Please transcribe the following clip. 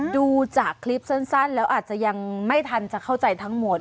ดูจากคลิปสั้นแล้วอาจจะยังไม่ทันจะเข้าใจทั้งหมด